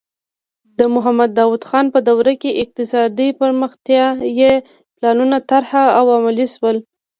د محمد داؤد خان په دوره کې اقتصادي پرمختیايي پلانونه طرح او عملي شول.